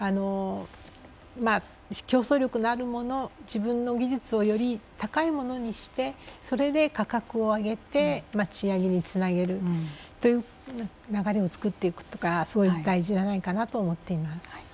自分の技術をより高いものにしてそれで価格を上げて賃上げにつなげるという流れを作っていくとかすごく大事じゃないかなと思っています。